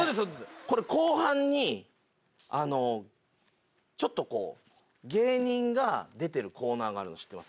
これ後半にあのちょっとこう芸人が出てるコーナーがあるの知ってます？